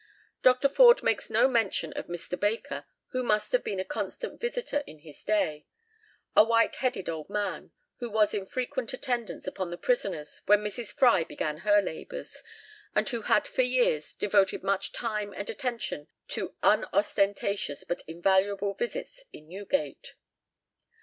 Dr. Forde makes no mention of Mr. Baker, who must have been a constant visitor in his day a "white headed old man" who was in frequent attendance upon the prisoners when Mrs. Fry began her labours, and who had for years "devoted much time and attention to unostentatious but invaluable visits in Newgate."